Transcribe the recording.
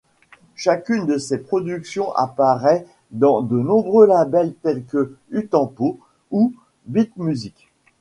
Chacune de ses productions apparaît dans de nombreux labels tels Uptempo ou Bit Music.